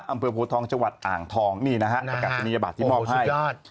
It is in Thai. อำเภอโพทองจังหวัดอ่างทองนี่นะฮะประกาศนียบัตรที่มอบให้ยอด